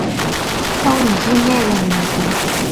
都唔知咩人嚟㗎